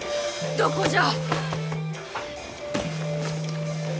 どこじゃ？